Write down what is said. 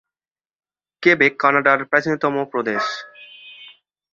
Quebec কানাডার প্রাচীনতম প্রদেশ।